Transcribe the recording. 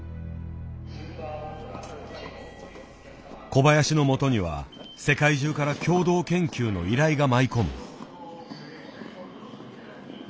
小林のもとには世界中から共同研究の依頼が舞い込む。